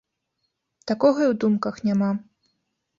Такога і ў думках няма.